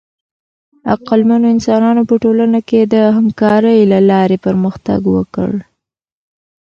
عقلمنو انسانانو په ټولنه کې د همکارۍ له لارې پرمختګ وکړ.